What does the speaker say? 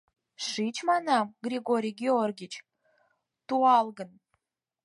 — Шич, манам, Григорий Георгич, туалгын...